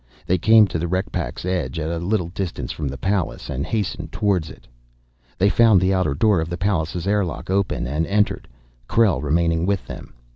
They came to the wreck pack's edge at a little distance from the Pallas, and hastened toward it. They found the outer door of the Pallas' airlock open, and entered, Krell remaining with them.